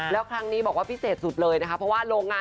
สวัสดีด้วยนะคะ